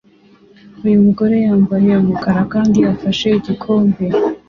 Uyu mugore yambaye umukara kandi afashe igikombe